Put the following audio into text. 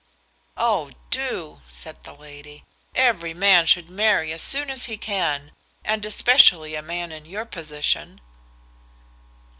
"Oh, do," said the lady. "Every man should marry as soon as he can, and especially a man in your position."